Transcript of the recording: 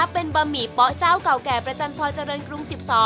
เป็นบะหมี่เป๊ะเจ้าเก่าแก่ประจำซอยเจริญกรุง๑๒